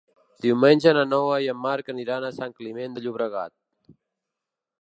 Diumenge na Noa i en Marc aniran a Sant Climent de Llobregat.